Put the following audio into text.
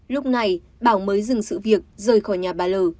lúc này bảo mới dừng sự việc rời khỏi nhà bà l